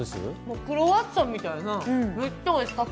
クロワッサンみたい！